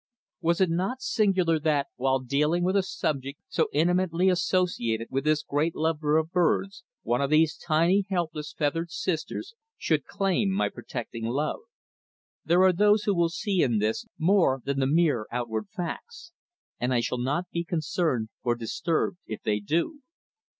Was it not singular that, while dealing with a subject so intimately associated with this great lover of birds, one of these tiny, helpless, feathered sisters should claim my protecting love? There are those who will see in this more than the mere outward facts, and I shall not be concerned or disturbed if they do.